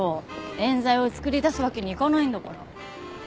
冤罪を作り出すわけにはいかないんだから。